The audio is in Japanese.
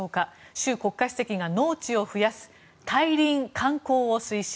習国家主席が農地を増やす退林還耕を推進。